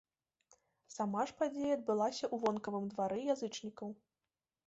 Сама ж падзея адбылася ў вонкавым двары язычнікаў.